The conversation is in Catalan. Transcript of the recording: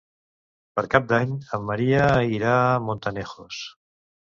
Per Cap d'Any en Maria irà a Montanejos.